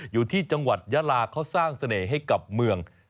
อยู่ที่จังหวัดยาลาเขาสร้างเสน่ห์ให้กับเมือง